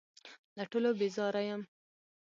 له ټولو بېزاره یم .